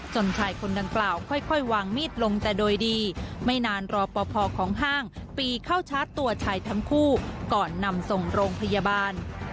ชายคนดังกล่าวค่อยวางมีดลงแต่โดยดีไม่นานรอปภของห้างปีเข้าชาร์จตัวชายทั้งคู่ก่อนนำส่งโรงพยาบาล